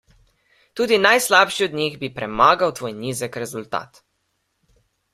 Tudi najslabši od njih bi premagal tvoj nizek rezultat.